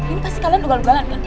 ini pasti kalian dogal dogalan kan